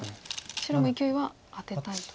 白もいきおいはアテたいと。